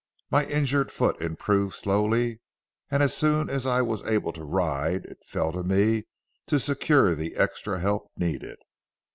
My injured foot improved slowly, and as soon as I was able to ride, it fell to me to secure the extra help needed.